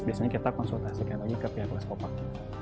biasanya kita konsultasikan lagi ke pihak leskopak